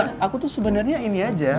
oh aku tuh sebenernya ini aja